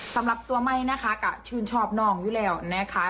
สำหรับตัวไหม้นะคะก็ชื่นชอบน้องอยู่แล้วนะคะ